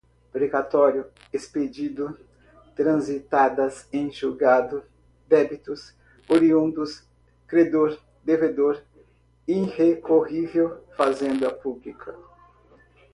precatório, expedido, transitadas em julgado, débitos, oriundos, credor, devedor, irrecorrível, fazenda pública